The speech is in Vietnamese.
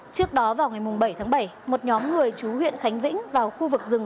trước đó vào ngày bảy tháng bảy một nhóm người chú huyện khánh vĩnh vào khu vực rừng